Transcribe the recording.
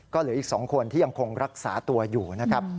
ก็เหลืออีก๒คนที่ยังคงรักษาตัวอยู่นะครับ